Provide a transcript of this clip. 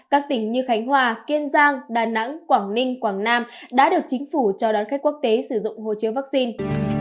các tỉnh như khánh hòa kiên giang đà nẵng quảng ninh quảng nam đã được chính phủ cho đón khách quốc tế sử dụng hồ chứa vaccine